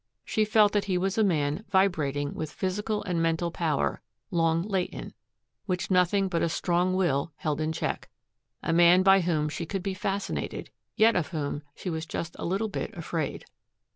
She felt that he was a man vibrating with physical and mental power, long latent, which nothing but a strong will held in check, a man by whom she could be fascinated, yet of whom she was just a little bit afraid.